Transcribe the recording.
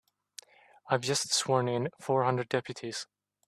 I've just sworn in four hundred deputies.